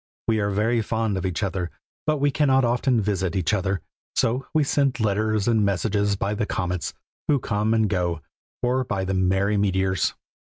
We are very fond of each other, but we cannot often visit each other, so we send letters and messages by the comets, who come and go, or by the merry meteors.